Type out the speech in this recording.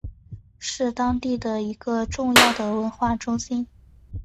是当地的一个重要的文化中心。